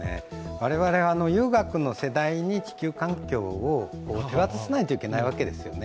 我々は悠雅君の世代に地球環境を手渡さないといけないわけですよね。